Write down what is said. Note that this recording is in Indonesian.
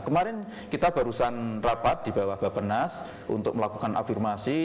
kemarin kita barusan rapat di bawah bapak nas untuk melakukan afirmasi